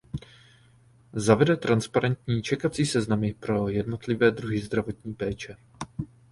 Zavede transparentní čekací seznamy pro jednotlivé druhy zdravotní péče.